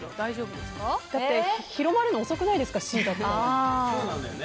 だって広まるの遅くないですかＣだと。